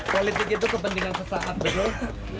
politik itu kepentingan sesaat terus